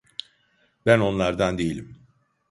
Ben onlardan değilim.